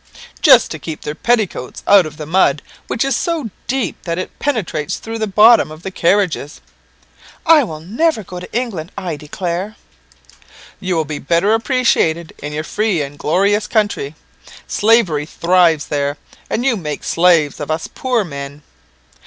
"Just to keep their petticoats out of the mud, which is so deep that it penetrates through the bottom of the carriages." "I never will go to England, I declare." "You will be better appreciated in your free and glorious country. Slavery thrives there, and you make slaves of us poor men."